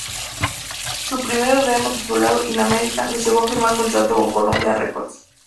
Su primer Demo, titulado "In America" los llevó a firmar contrato con Columbia Records.